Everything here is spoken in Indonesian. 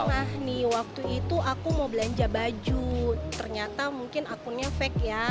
pernah nih waktu itu aku mau belanja baju ternyata mungkin akunnya fake ya